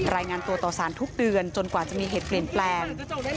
รายงานตัวต่อสารทุกเดือนจนกว่าจะมีเหตุเปลี่ยนแปลง